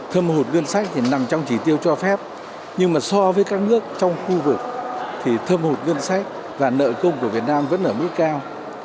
thơm hụt ngân sách thì nằm trong chỉ tiêu cho phép nhưng mà so với các nước trong khu vực thì thơm hụt ngân sách và nợ công của việt nam vẫn ở mức cao